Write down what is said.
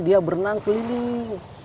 dia berenang keliling